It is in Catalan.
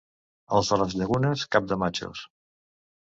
Els de les Llagunes, cap de matxos.